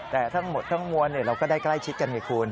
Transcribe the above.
แต่ทั้งหมดทั้งมวลเราก็ได้ใกล้ชิดกันไงคุณ